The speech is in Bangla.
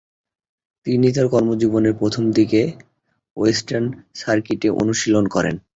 তিনি তার কর্মজীবনের প্রথম দিকে ওয়েস্টার্ন সার্কিটে অনুশীলন করেন।